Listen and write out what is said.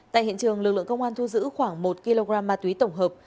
tại hiện trường lực lượng công an thu giữ khoảng một kg ma túy tổng hợp